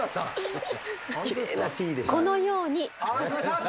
このように。